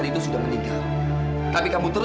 l stem tentara diburu buru